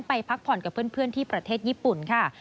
พักผ่อนกับเพื่อนที่ประเทศญี่ปุ่นค่ะ